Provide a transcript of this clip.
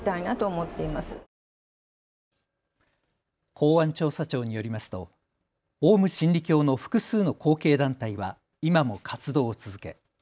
公安調査庁によりますとオウム真理教の複数の後継団体は今も活動を続け